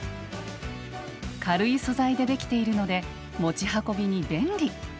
軽い素材でできているので持ち運びに便利！